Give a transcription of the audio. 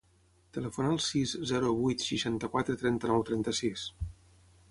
Telefona al sis, zero, vuit, seixanta-quatre, trenta-nou, trenta-sis.